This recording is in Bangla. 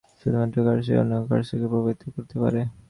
শুধুমাত্র কার্সই অন্যান্য কার্সকে প্রভাবিত করতে পারে।